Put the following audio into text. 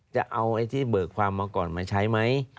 จะเอาไอ้ที่เบิกความมาก่อนมาใช้ไหม